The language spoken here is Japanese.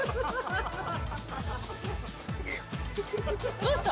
どうした？